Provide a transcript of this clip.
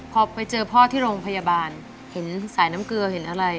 พอไปเจอพ่อที่โรงพยาบาลเห็นสายน้ำเกลือเห็นอะไร